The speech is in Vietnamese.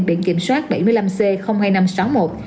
biển kiểm soát bảy mươi năm c hai nghìn năm trăm sáu mươi một